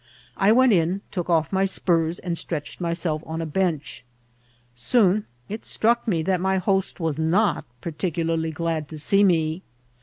I went in, took off my qpurs, and stretched myself on a bench. Soon it struck me that my host was not particularly glad to see me.